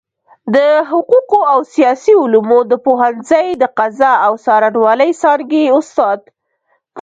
د حقوقو او سياسي علومو د پوهنځۍ د قضاء او څارنوالۍ څانګي استاد